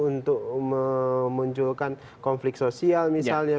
untuk memunculkan konflik sosial misalnya